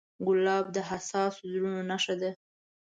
ګلاب د حساسو زړونو نښه ده.